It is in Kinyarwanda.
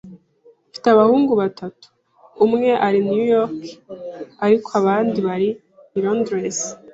Mfite abahungu batatu. Umwe ari i New York, ariko abandi bari i Londres.